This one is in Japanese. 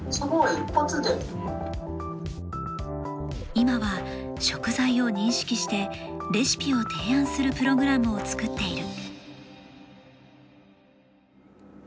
今は食材を認識してレシピを提案するプログラムを作っている。